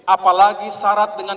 apalagi syarat dengan